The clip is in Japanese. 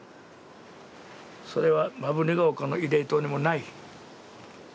それは摩文仁の丘の慰霊塔にもない。